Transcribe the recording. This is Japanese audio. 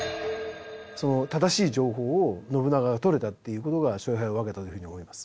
その正しい情報を信長が取れたっていうことが勝敗を分けたというふうに思います。